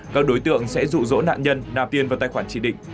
các đối tượng sẽ rụ rỗ nạn nhân nạp tiền vào tài khoản chỉ định